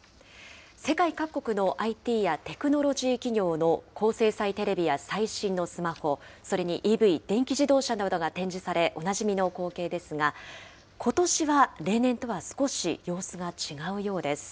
世界各国のＩＴやテクノロジー企業の高精細テレビや最新のスマホ、それにＥＶ・電気自動車などが展示され、おなじみの光景ですが、ことしは例年とは少し様子が違うようです。